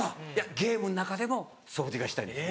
ゲームの中でも掃除がしたいです。